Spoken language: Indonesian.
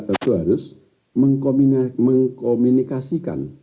tentu harus mengkomunikasikan